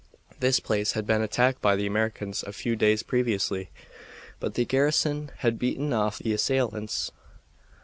This place had been attacked by the Americans a few days previously, but the garrison had beaten off the assailants.